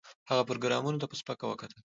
هغه پروګرامر ته په سپکه وکتل